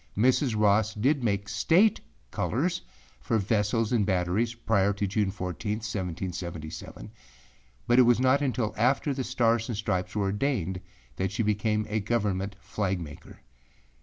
Mrs. Ross did make State colors for vessels and batteries prior to June 14, 1777, but it was not until after the Stars and Stripes were ordained that she became a Government flag maker.